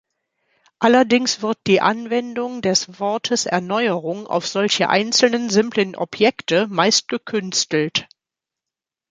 Allerdings wirkt die Anwendung des Wortes „Erneuerung“ auf solche einzelnen, simplen Objekte meist gekünstelt.